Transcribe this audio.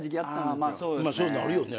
まあそうなるよね。